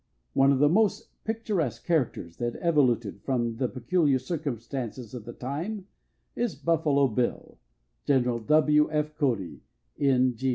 One of the most picturesque characters that evoluted from the peculiar circumstances of the times is "Buffalo Bill," Gen. W. F. Cody, N.